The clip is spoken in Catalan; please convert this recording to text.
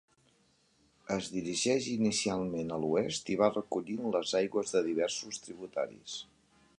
Es dirigeix inicialment a l'oest i va recollint les aigües de diversos tributaris.